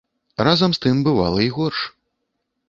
Разам з тым, бывала й горш.